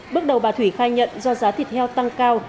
bước đầu bà thủy khai nhận do giá thịt heo tăng cao